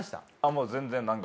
もう全然何か。